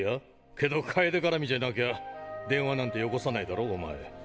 けど楓がらみじゃなきゃ電話なんてよこさないだろお前？